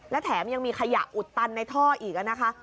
และแถมยังมีขยะอุดตันในท่ออีกนะคะ